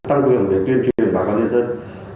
tăng quyền để tuyên truyền bà con nhân dân